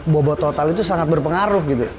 bobot total itu sangat berpengaruh gitu